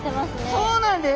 そうなんです。